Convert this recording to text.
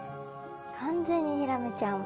完全にヒラメちゃん。